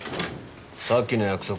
さっきの約束